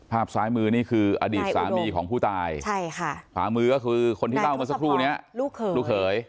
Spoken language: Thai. ภาพซ้ายมือนี่คืออดีตสามีของผู้ตายขวามือก็คือคนที่เล่ามาสักครู่นี้ลูกเขยลูกเขย